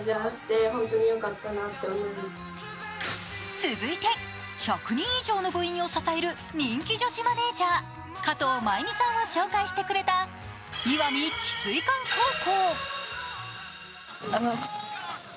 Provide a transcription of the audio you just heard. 続いて、１００人以上の部員を支える人気女子マネージャー加藤舞実さんを紹介してくれた石見智翠館高校。